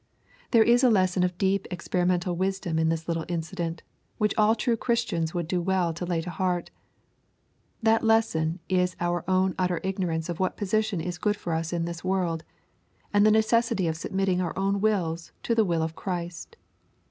There is a lesson of deep experimental wisdom in this little incident, which all true Christians would do well to lay to heart. That lesson is our own utter ignorance of what position is good for us in this world, and the neces sity of submitting our own wills to the will of Christ.